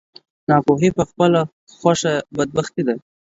ناپوهي په خپله خوښه بدبختي ده.